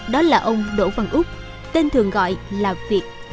đó là ông đỗ văn úc tên thường gọi là việt